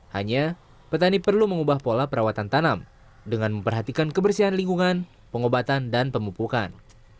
hanya petani perlu mengubah pola perawatan tanam dengan memperhatikan kebersihan lingkungan pengobatan dan pemupukan